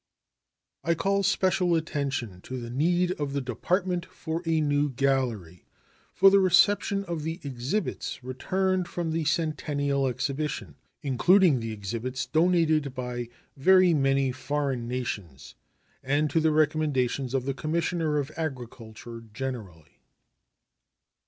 I call special attention to the need of the Department for a new gallery for the reception of the exhibits returned from the Centennial Exhibition, including the exhibits donated by very many foreign nations, and to the recommendations of the Commissioner of Agriculture generally.